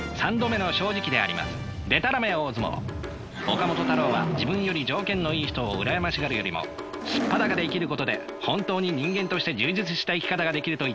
岡本太郎は自分より条件のいい人を羨ましがるよりも素っ裸で生きることで本当に人間として充実した生き方ができると言っていました。